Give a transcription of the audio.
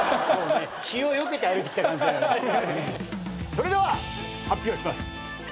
それでは発表します。